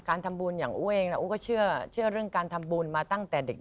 การทำบุญอย่างอุ้ยเองนะอุ้ยก็เชื่อเรื่องการทำบุญมาตั้งแต่เด็ก